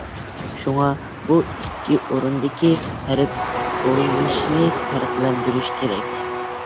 شۇڭا، بۇ ئىككى ئورۇندىكى ھەرپ ئۇلىنىشىنى پەرقلەندۈرۈش كېرەك.